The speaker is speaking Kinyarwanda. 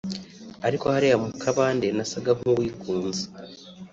ariko hariya mu kabande nasaga nk’uwigunze”